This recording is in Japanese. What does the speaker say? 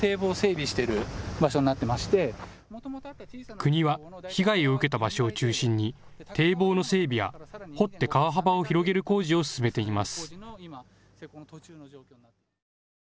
国は被害を受けた場所を中心に堤防の整備や掘って川幅を広げる工事を進めています。